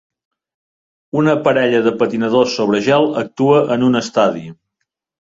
Una parella de patinadors sobre gel actua en un estadi.